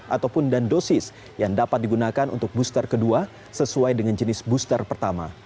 ataupun dan dosis yang dapat digunakan untuk booster kedua sesuai dengan jenis booster pertama